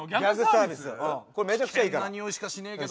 これめちゃくちゃいいから。